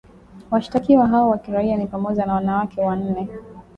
Washtakiwa hao wa kiraia ni pamoja na wanawake wanNe